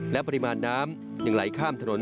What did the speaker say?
และปริมาณน้ำยังไหลข้ามถนน